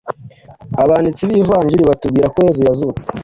Abanditsi b‟Ivanjili batubwira ko Yezu yazutse